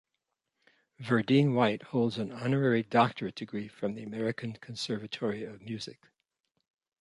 Verdine White holds an honorary doctorate degree from the American Conservatory of Music.